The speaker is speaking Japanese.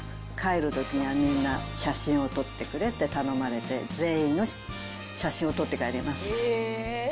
帰るときにはみんな、写真を撮ってくれって頼まれて、全員と写真を撮って帰ります。